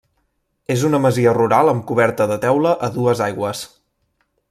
És una masia rural amb coberta de teula a dues aigües.